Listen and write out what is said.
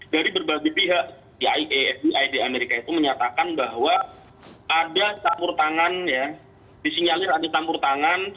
dari berbagai pihak ei esb id amerika itu menyatakan bahwa ada tampur tangan ya disinyalir ada tampur tangan